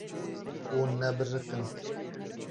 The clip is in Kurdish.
Hûn nabiriqin.